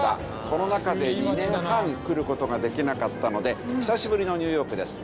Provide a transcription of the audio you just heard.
コロナ禍で２年半来る事ができなかったので久しぶりのニューヨークです。